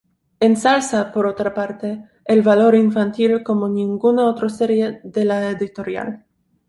Ensalza, por otra parte, el valor infantil, como ninguna otra serie de la editorial.